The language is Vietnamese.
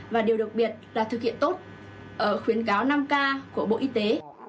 và điều đặc biệt là thực hiện tốt khuyến cáo năm k của bộ y tế